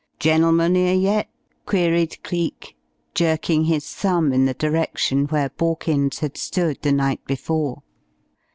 "Gen'leman 'ere yet?" queried Cleek, jerking his thumb in the direction where Borkins had stood the night before.